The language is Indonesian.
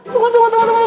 terima kasih celana